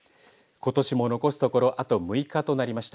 ことしも残すところあと６日となりました。